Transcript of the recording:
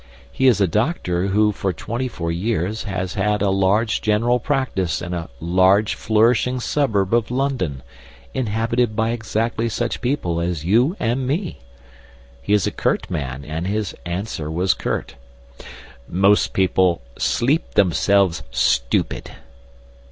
He is a doctor who for twenty four years has had a large general practice in a large flourishing suburb of London, inhabited by exactly such people as you and me. He is a curt man, and his answer was curt: "Most people sleep themselves stupid."